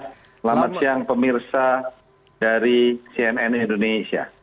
selamat siang pemirsa dari cnn indonesia